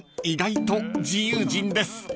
意外と自由人です］